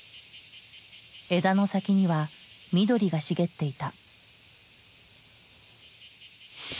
枝の先には緑が茂っていた。